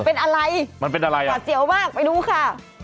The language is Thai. เป็นอะไรมันเป็นอะไรอ่ะหวัดเสียวมากไปดูค่ะ